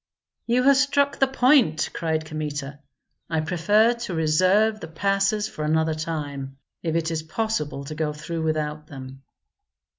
"You have struck the point!" cried Kmita. "I prefer to reserve the passes for another time, if it is possible to go through without them."